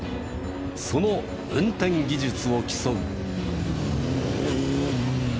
その運転技術を競う。